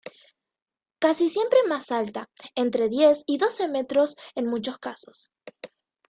Casi siempre más alta, entre diez y doce metros en muchos casos.